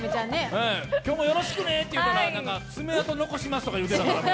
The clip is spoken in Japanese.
今日もよろしくね、言うたら「爪痕残します」言うてましたから。